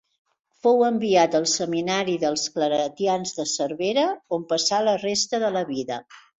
Fou enviat al seminari dels claretians de Cervera, on passà la resta de la vida.